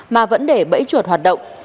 mà vẫn để bẫy chuột hoạt động